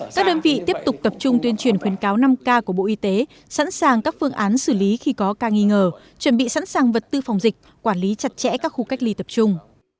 các đơn vị tiếp tục tập trung tuyên truyền khuyến cáo năm k của bộ y tế sẵn sàng các phương án xử lý khi có ca nghi ngờ chuẩn bị sẵn sàng vật tư phòng dịch quản lý chặt chẽ các khu cách ly tập trung